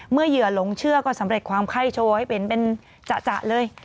เหยื่อหลงเชื่อก็สำเร็จความไข้โชว์ให้เห็นเป็นจะเลย